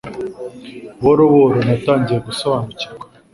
Buhoro buhoro natangiye gusobanukirwa